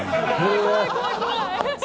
怖い怖い怖い怖い！